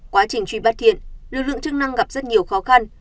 quá trình truy bắt hiện lực lượng chức năng gặp rất nhiều khó khăn